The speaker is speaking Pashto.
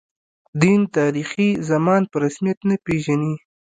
دین، تاریخي زمان په رسمیت نه پېژني.